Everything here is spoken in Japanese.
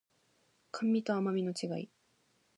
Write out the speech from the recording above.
甘味と甘味の違い